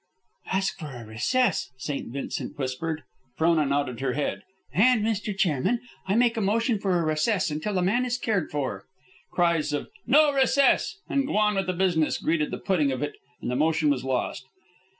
"Ask for a recess," St. Vincent whispered. Frona nodded her head. "And, Mr. Chairman, I make a motion for a recess until the man is cared for." Cries of "No recess!" and "Go on with the business!" greeted the putting of it, and the motion was lost.